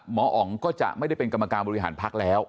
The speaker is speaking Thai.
หมออ๋องก็จะไม่ได้เป็นกรรมการบริหารพักแล้ว